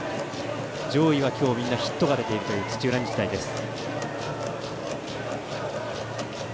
上位はみんなヒットが出ているという土浦日大です。